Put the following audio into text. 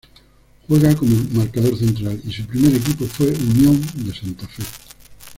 Juega como marcador central y su primer equipo fue Unión de Santa Fe.